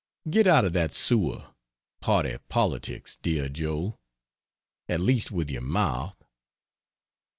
get out of that sewer party politics dear Joe. At least with your mouth.